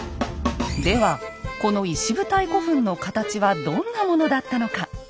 ではこの石舞台古墳の形はどんなものだったのか。